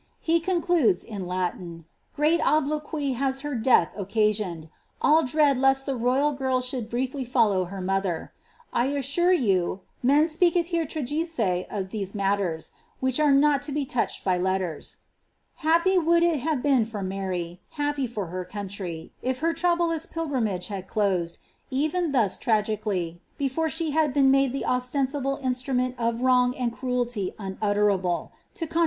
He concludes, in reat obloquy has her death occasioned; all dread lest the should briefly follow her mother ; I assure you men speaketh :e of these matters, which are not to be touched by letters.'' >uld it have been for Mary, happy for her country, if her pilgrimage had closed, even thus tragically, before she had i the ostensible instrument of wrong and cruelty unutterable, ntious Protestants !